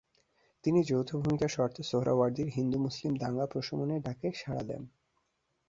তিনি যৌথ ভূমিকার শর্তে সোহ্রাওয়ার্দীর হিন্দু-মুসলিম দাঙ্গা প্রশমনের ডাকে সাড়া দেন।